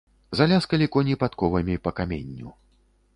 Заляскалі коні падковамі па каменню.